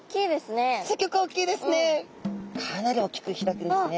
かなり大きく開くんですね。